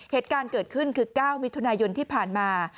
เหตุการณ์เกิดขึ้นคือ๙มิถุนายนที่ผ่านมา